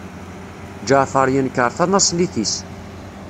Ǧaɛfeṛ yenkeṛ tanaṣlit-is.